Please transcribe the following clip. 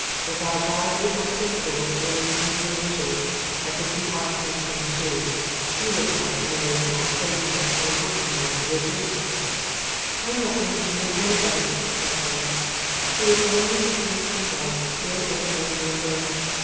If I've violated my principles in order to meet her wishes, I think you ought to meet them too. You wouldn't like to marry a small tradesman or a working man, would you?" "I'm not going to marry anybody," cried Phyllis. She was only a pink and white, very ordinary little girl.